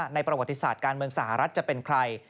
ประวัติศาสตร์การเมืองสหรัฐจะเป็นใคร